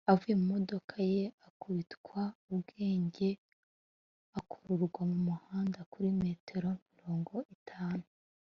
avuye mu modoka ye, akubitwa ubwenge, akururwa mu muhanda kuri metero mirongo itanu